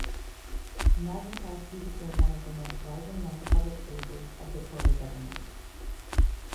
Mazankowski became one of the most widely known public faces of the Tory government.